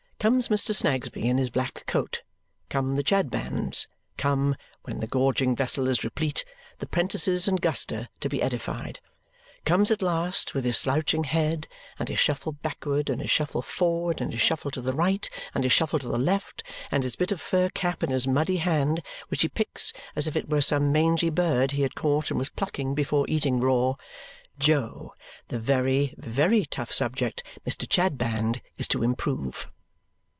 Comes Mr. Snagsby in his black coat; come the Chadbands; come (when the gorging vessel is replete) the 'prentices and Guster, to be edified; comes at last, with his slouching head, and his shuffle backward, and his shuffle forward, and his shuffle to the right, and his shuffle to the left, and his bit of fur cap in his muddy hand, which he picks as if it were some mangy bird he had caught and was plucking before eating raw, Jo, the very, very tough subject Mr. Chadband is to improve.